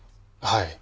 はい。